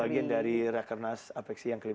bagian dari rekernas apeksi yang ke lima belas